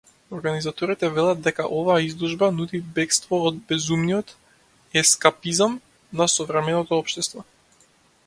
Организаторите велат дека оваа изложба нуди бегство од безумниот ескапизам на современото општество.